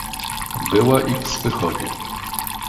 "Była i w Spychowie."